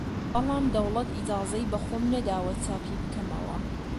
بەڵام دەوڵەت ئیجازەی بە خۆم نەداوە چاپی بکەمەوە!